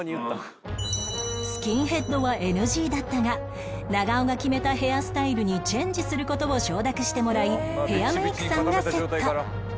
スキンヘッドは ＮＧ だったが長尾が決めたヘアスタイルにチェンジする事を承諾してもらいヘアメイクさんがセット